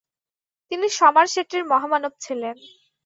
তিনি সমারসেটের মহামানব ছিলেন।